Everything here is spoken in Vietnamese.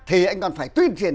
thì anh còn phải tuyên truyền